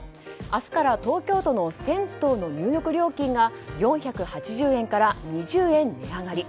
明日から東京都の銭湯の入浴料金が４８０円から２０円値上がり。